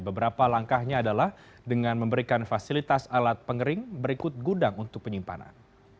beberapa langkahnya adalah dengan memberikan fasilitas alat pengering berikut gudang untuk penyimpanan